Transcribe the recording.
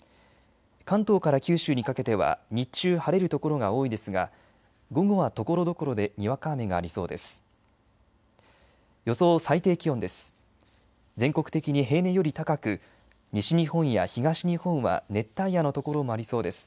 関東から九州にかけては日中晴れる所が多いですが午後はところどころでにわか雨がありそうです。